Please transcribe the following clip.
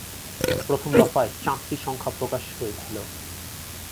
প্রথম দফায় চারটি সংখ্যা প্রকাশ হয়েছিল।